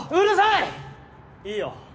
いいよ。